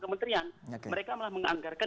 kementerian mereka malah menganggarkan